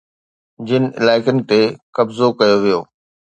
جن علائقن تي قبضو ڪيو ويو